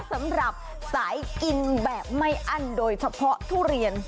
สำหรับสายกินแบบไม่อั้นโดยเฉพาะทุเรียน